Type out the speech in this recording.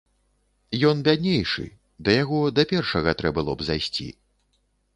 Ён бяднейшы, да яго да першага трэ было б зайсці.